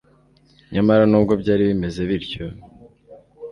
Nyamara nubwo byari bimeze bityo